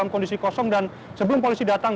kondisi kosong dan sebelum polisi datang